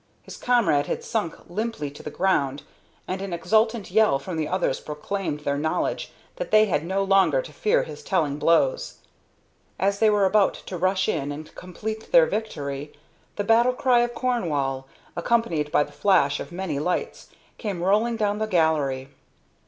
His comrade had sunk limply to the ground, and an exultant yell from the others proclaimed their knowledge that they had no longer to fear his telling blows. As they were about to rush in and complete their victory, the battle cry of Cornwall, accompanied by the flash of many lights, came rolling down the gallery.